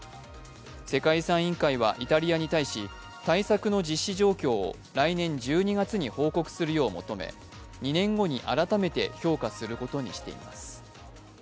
世界遺産委員会はイタリアに対し、対策の実施状況を来年１２月に報告するよう求め、２年後に改めて評価することにしています。